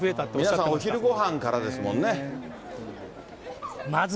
皆さん、お昼ごはんからですもんね。